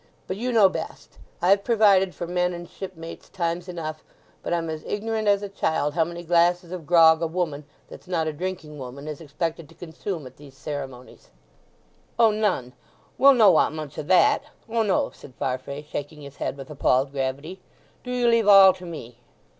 But you know best. I've provided for men and shipmates times enough, but I'm as ignorant as a child how many glasses of grog a woman, that's not a drinking woman, is expected to consume at these ceremonies?" "Oh, none—we'll no want much of that—O no!" said Farfrae, shaking his head with appalled gravity. "Do you leave all to me."